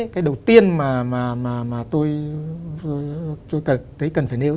cái đầu tiên mà tôi thấy cần phải nêu